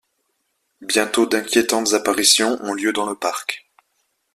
Bientôt d’inquiétantes apparitions ont lieu dans le parc...